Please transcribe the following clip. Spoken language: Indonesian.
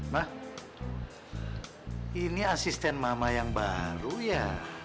mah ini asisten mama yang baru ya